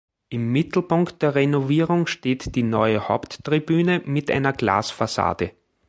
Im Mittelpunkt der Renovierung steht die neue Haupttribüne mit einer Glasfassade.